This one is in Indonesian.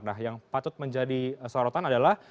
nah yang patut menjadi sorotan adalah